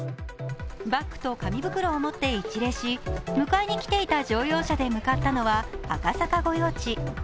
バッグと紙袋を持って一礼し迎えに来ていた乗用車で向かったのは赤坂御用地。